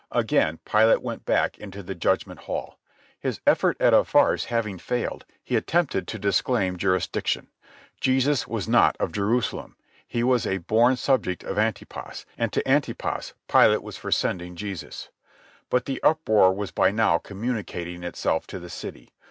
Again Pilate went back into the judgment hall. His effort at a farce having failed, he attempted to disclaim jurisdiction. Jesus was not of Jerusalem. He was a born subject of Antipas, and to Antipas Pilate was for sending Jesus. But the uproar was by now communicating itself to the city.